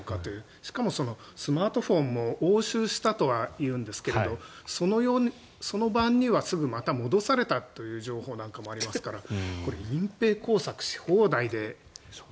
しかも、スマートフォンも押収したとは言うんですけどその晩にはすぐまた戻されたという情報もありますからこれ、隠ぺい工作し放題で。